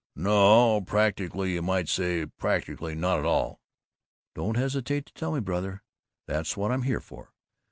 "No, practically, you might say, practically not at all." "Don't hesitate to tell me, brother! That's what I'm here for.